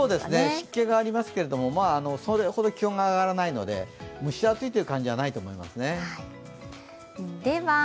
湿気がありますけれども、それほど気温が上がらないので、蒸し暑いという感じじゃないと思います。